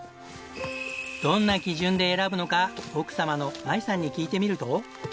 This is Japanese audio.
どんな基準で選ぶのか奥様の麻衣さんに聞いてみると。